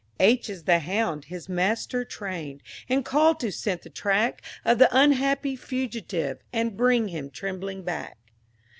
H is the Hound his master trained, And called to scent the track Of the unhappy Fugitive, And bring him trembling back.